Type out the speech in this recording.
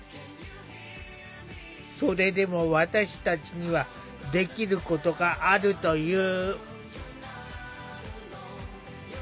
それでも私たちにはできることがあるという。